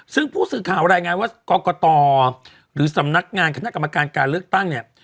ซึ่งผู้สื่อข่าวรายงานว่ากรกตหรือสำนักงานคณะกรรมการการเลือกตั้งเนี่ย